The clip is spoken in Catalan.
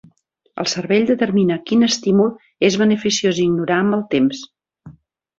El cervell determina quin estímul és beneficiós ignorar amb el temps.